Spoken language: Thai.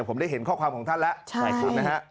ผมได้เห็นข้อความของท่านแล้วนะฮะ